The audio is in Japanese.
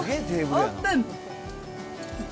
オープン。